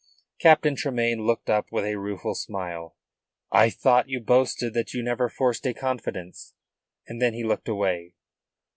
Captain Tremayne looked up with a rueful smile. "I thought you boasted that you never forced a confidence." And then he looked away.